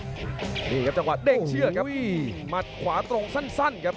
นี่ครับจังหวะเด้งเชือกครับหมัดขวาตรงสั้นครับ